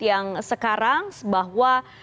yang sekarang bahwa